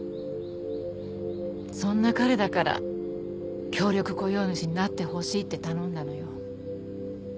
そんな彼だから協力雇用主になってほしいって頼んだのよ。